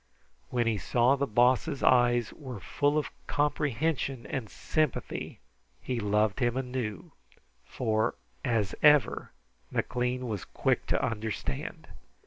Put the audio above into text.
When he saw the Boss's eyes were full of comprehension and sympathy, he loved him anew, for, as ever, McLean was quick to understand.